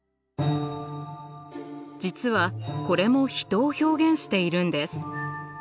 実はこれも人を表現しているんです。